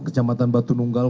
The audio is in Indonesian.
kecamatan batu nunggal